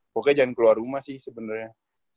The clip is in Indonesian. pokoknya jangan keluar rumah sih sebenarnya